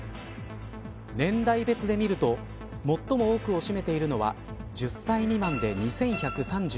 年代別でみると最も多くを占めているのは１０歳未満で２１３６人。